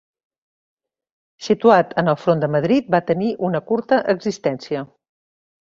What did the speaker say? Situat en el Front de Madrid, va tenir una curta existència.